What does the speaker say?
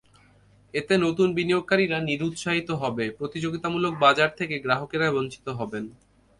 এতে নতুন বিনিয়োগকারীরা নিরুৎসাহিত হবে, প্রতিযোগিতামূলক বাজার থেকে গ্রাহকেরা বঞ্চিত হবেন।